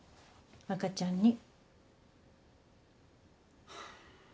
赤ちゃんに。